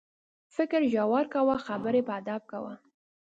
فکر ژور کوه، خبرې په ادب کوه.